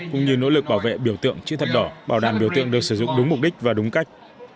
cũng như nỗ lực bảo vệ biểu tượng chữ thập đỏ bảo đảm biểu tượng được sử dụng đúng mục đích và đúng cách